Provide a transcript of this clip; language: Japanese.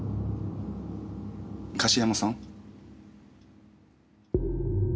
樫山さん？